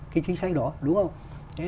cái chính sách đó đúng không